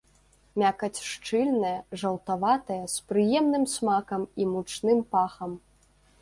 Мякаць шчыльная, жаўтаватая, з прыемным смакам і мучным пахам.